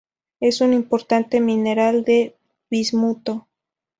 Es un importante mineral de bismuto.